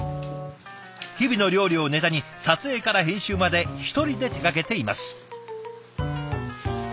日々の料理をネタに撮影から編集まで１人で手がけています。